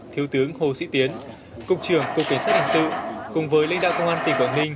thiếu tướng hồ sĩ tiến cục trưởng cục cảnh sát hình sự cùng với lãnh đạo công an tỉnh quảng ninh